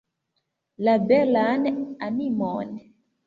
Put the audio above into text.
La belan animon.